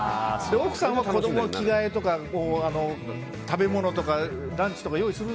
奥さんは子供の着替えとか食べ物とかランチとか用意する。